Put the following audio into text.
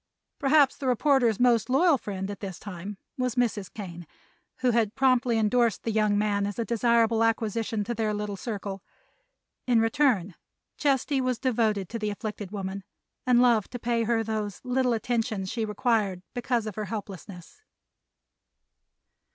Perhaps the reporter's most loyal friend at this time was Mrs. Kane, who had promptly endorsed the young man as a desirable acquisition to their little circle. In return Chesty was devoted to the afflicted woman and loved to pay her those little attentions she required because of her helplessness.